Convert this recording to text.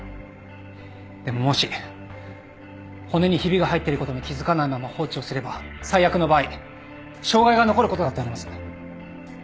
でももし骨にひびが入ってることに気付かないまま放置をすれば最悪の場合障害が残ることだってあります。